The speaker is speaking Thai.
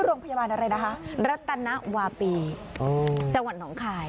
โรงพยาบาลอะไรนะคะรัตนวาปีจังหวัดหนองคาย